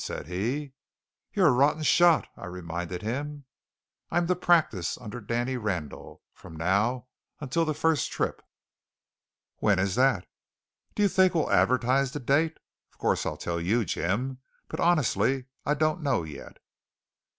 said he. "You're a rotten shot," I reminded him. "I'm to practise, under Danny Randall, from now until the first trip." "When is that?" "Do you think we'll advertise the date? Of course I'd tell you, Jim; but honestly I don't know yet."